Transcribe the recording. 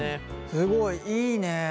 すごいいいね。